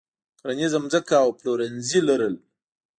کرنیزه ځمکه او پلورنځي لرل.